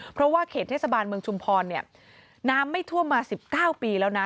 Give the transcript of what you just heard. เพราะว่าเขตเทศบาลเมืองชุมพรเนี่ยน้ำไม่ท่วมมา๑๙ปีแล้วนะ